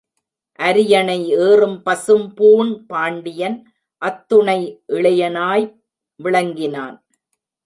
அரியணை ஏறும் பசும்பூண் பாண்டியன் அத்துணை இளையனாய் விளங்கினான்.